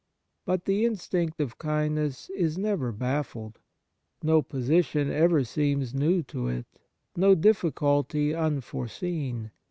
But the instinct of kindness is never baffled. No position ever seems new to it, no difficulty unforeseen.